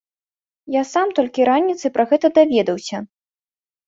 Я сам толькі раніцай пра гэта даведаўся.